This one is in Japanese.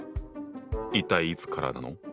一体いつからなの？